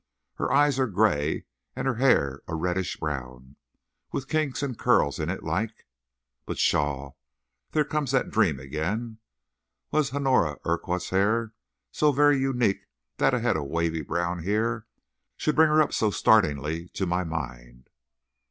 Her eyes are gray and her hair a reddish brown, with kinks and curls in it like But, pshaw! there comes that dream again! Was Honora Urquhart's hair so very unique that a head of wavy brown hair should bring her up so startlingly to my mind?